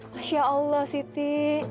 masya allah siti